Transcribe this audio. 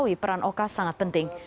tapi peran oka sangat penting